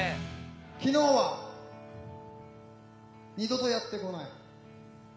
昨日は二度とやって来ない。